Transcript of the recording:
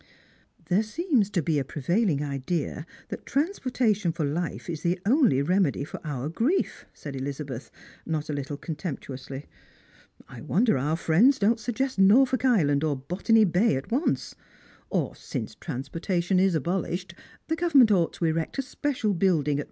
" There seems to be a prevailing idea that transportation for life is the only remedy for our grief," said Elizabeth, not a little contemptuously. " I wonder our friends don't suggest Nor folk Island or Botany Bay at once. Or, since transportation ia abolished, the government ought to erect a special building at Strangers and Pilgrms.